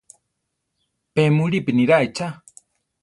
Pe mulípi niráa ichá.